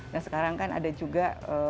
nah sekarang kan ada juga